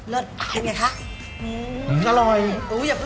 เลิศเอาให้ไหมคะ